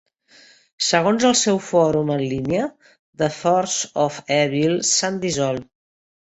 Segons el seu fòrum en línia, The Forces of Evil s'han dissolt.